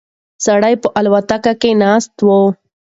سړی په الوتکه کې ناست و.